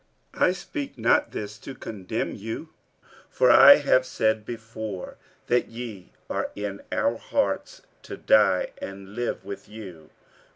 47:007:003 I speak not this to condemn you: for I have said before, that ye are in our hearts to die and live with you.